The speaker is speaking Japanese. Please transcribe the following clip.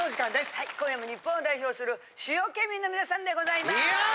はい今夜も日本を代表する主要県民の皆さんでございます。